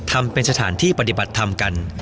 ทำเป็นสถานที่ปฏิบัติธรรมกัน